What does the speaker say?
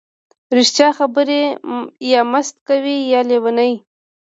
ـ رښتیا خبرې یا مست کوي یا لیوني.